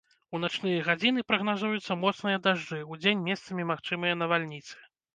У начныя гадзіны прагназуюцца моцныя дажджы, удзень месцамі магчымыя навальніцы.